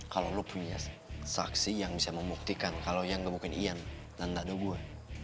kalau lu punya saksi yang bisa membuktikan kalau yang gebukin ian dan dado gue